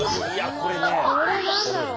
これ何だろう？